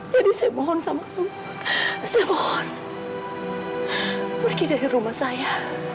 jadi saya mohon sama kamu saya mohon pergi dari rumah saya